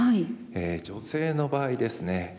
女性の場合ですね